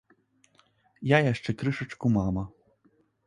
Я яшчэ крышачку мама.